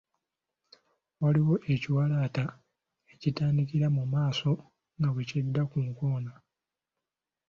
Waliwo ekiwalaata ekitandikira mu maaso nga bwe kidda ku nkoona.